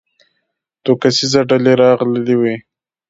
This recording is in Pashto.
دوه کسیزه ډله راغلې وه.